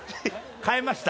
変えました。